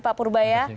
pak purba ya